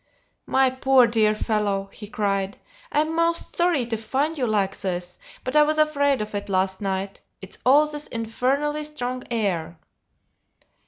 "My poor dear fellow," he cried, "I'm most sorry to find you like this. But I was afraid of it last night. It's all this infernally strong air!"